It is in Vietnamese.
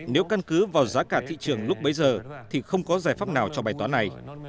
nếu căn cứ vào giá cả thị trường lúc bấy giờ thì không có giải pháp nào cho bài toán này